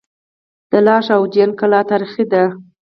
د لاش او جوین کلا تاریخي ده